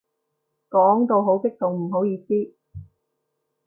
講到好激動，唔好意思